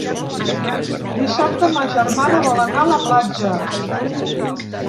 Dissabte ma germana vol anar a la platja.